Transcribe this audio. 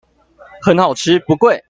很好吃不貴